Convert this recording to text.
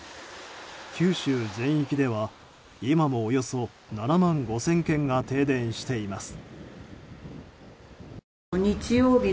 九州全域では今もおよそ７万５０００軒が停電しています。